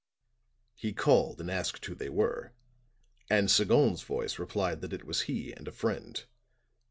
He called and asked who they were, and Sagon's voice replied that it was he and a friend.